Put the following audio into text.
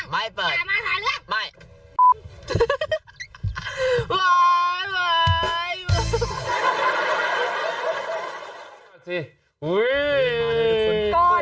ไม่เปิด